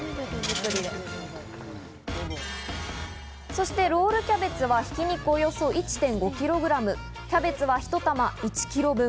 そしてロールキャベツは、ひき肉およそ１．５キログラム、キャベツはひと玉１キロ分。